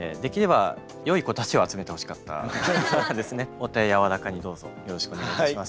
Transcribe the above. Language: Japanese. お手柔らかにどうぞよろしくお願いいたします。